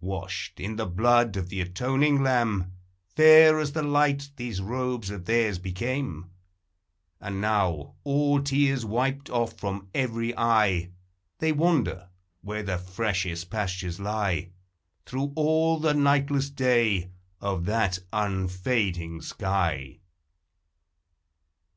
Washed in the blood of the atoning Lamb, Fair as the light these robes of theirs became; And now, all tears wiped off from every eye, They wander where the freshest pastures lie, Through all the nightless day of that unfading sky!